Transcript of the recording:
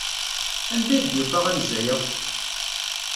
Anda ay d-yufa anza-a?